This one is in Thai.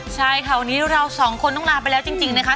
ใช่ค่ะวันนี้เราสองคนต้องลาไปแล้วจริงนะคะ